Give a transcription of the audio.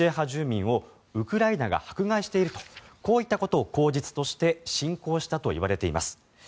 住民をウクライナが迫害しているとこういったことを口実として侵攻したといわれています。